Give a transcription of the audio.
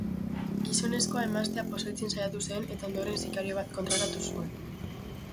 Gizonezkoa emaztea pozoitzen saiatu zen eta ondoren sikario bat kontratatu zuen.